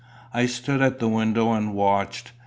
I stood at the window and watched.